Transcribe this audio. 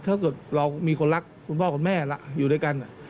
ถ้าเกิดเรามีคนรักคุณพ่อคุณแม่ล่ะอยู่ด้วยกัน